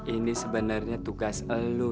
ini sebenernya tugas lu